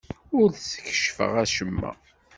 Ur d-keccfeɣ acemma.